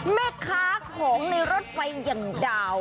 แม่ค้าของในรถไฟอย่างดาว